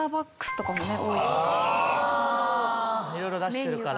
いろいろ出してるから。